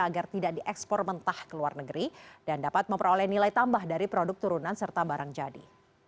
agar tidak diekspor mentah ke luar negeri dan dapat memperoleh nilai tambah dari produk turunan serta barang jadi